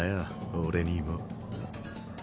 俺にも。